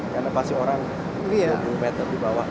karena pasti orang sepuluh meter di bawah